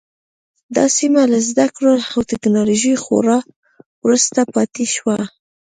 دا سیمه له زده کړو او ټکنالوژۍ خورا وروسته پاتې وه.